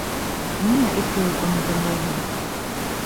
Ниңә эт кеүек уны тыңлайһың?